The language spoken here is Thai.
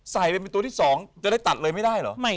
ใส่ไปเป็นตัวที่๒จะได้ตัดเลยไม่ได้เหรอ